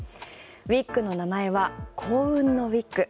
ウィッグの名前は幸運のウィッグ。